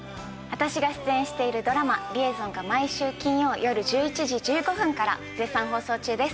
私が出演しているドラマ『リエゾン』が毎週金曜よる１１時１５分から絶賛放送中です。